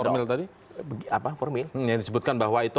oh iya dong apa formil yang disebutkan bahwa itu